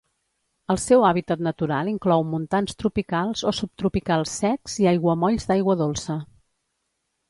El seu hàbitat natural inclou montans tropicals o subtropicals secs i aiguamolls d'aigua dolça.